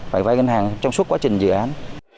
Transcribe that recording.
phải vai ngân hàng trong suốt quá trình dự án